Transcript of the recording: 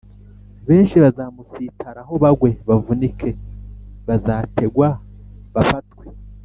benshi bazamusitaraho bagwe bavunike, bazategwa bafatwe